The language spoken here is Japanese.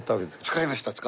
使いました。